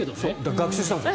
学習したんです。